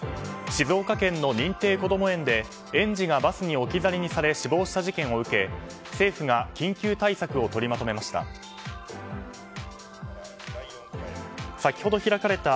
静岡県の認定こども園で園児がバスに置き去りにされ死亡した事件を受け政府が緊急対策を取りまとめました。